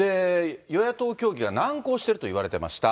与野党協議が難航してるといわれていました。